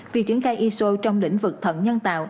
việc triển khai iso trong lĩnh vực thận nhân tạo